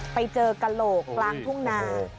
ไปเจอกระโหลกกลางทุ่งนา